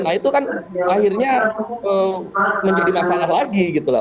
nah itu kan akhirnya menjadi masalah lagi gitu loh